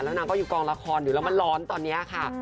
นางก็อยู่กองละครอยู่แล้วมันร้อนตอนนี้ค่ะ